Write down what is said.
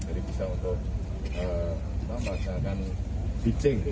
jadi bisa untuk pembaca dan bicing